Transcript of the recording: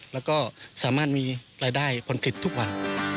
แล้วก็สามารถมีรายได้ผลผลิตทุกวัน